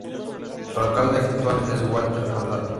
Su alcalde actual es Walter Andrade.